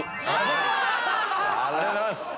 ありがとうございます！